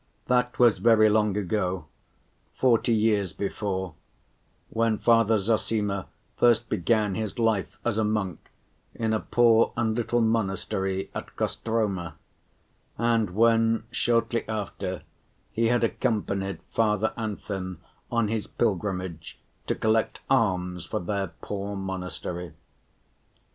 That was very long ago, forty years before, when Father Zossima first began his life as a monk in a poor and little monastery at Kostroma, and when, shortly after, he had accompanied Father Anfim on his pilgrimage to collect alms for their poor monastery.